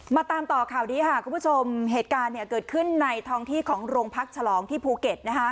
มาตามต่อข่าวนี้ค่ะคุณผู้ชมเหตุการณ์เกิดขึ้นในท้องที่ของโรงพักฉลองที่ภูเก็ต